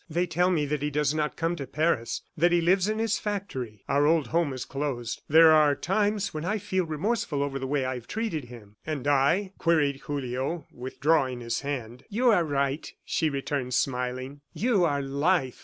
They tell me that he does not come to Paris, that he lives in his factory. Our old home is closed. There are times when I feel remorseful over the way I have treated him." "And I?" queried Julio, withdrawing his hand. "You are right," she returned smiling. "You are Life.